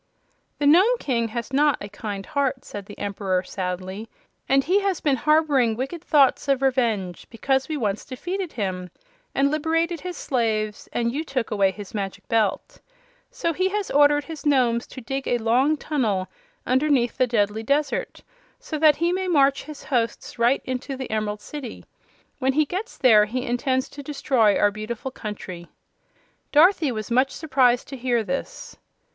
"The Nome King has not a kind heart," said the Emperor, sadly, "and he has been harboring wicked thoughts of revenge, because we once defeated him and liberated his slaves and you took away his Magic Belt. So he has ordered his Nomes to dig a long tunnel underneath the deadly desert, so that he may march his hosts right into the Emerald City. When he gets there he intends to destroy our beautiful country." Dorothy was much surprised to hear this.